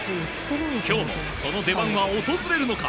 今日、その出番は訪れるのか。